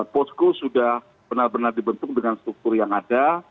posko sudah benar benar dibentuk dengan struktur yang ada